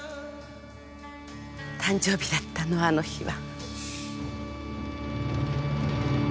誕生日だったのあの日は。